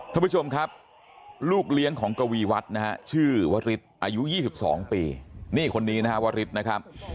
ท่านผู้ชมครับลูกเลี้ยงของกวีวัฒชื่อวฤษอายุ๒๒ปีนี่คนนี้นะครับวฤษนะครับ